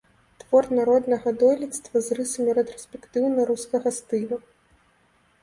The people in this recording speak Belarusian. Твор народнага дойлідства з рысамі рэтраспектыўна-рускага стылю.